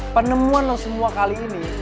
penemuan loh semua kali ini